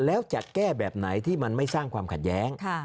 แล้วจะแก้แบบไหนที่มันไม่สร้างความขัดแย้ง